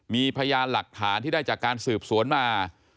มีพยานหลักฐานที่ได้จากการสืบสวนมา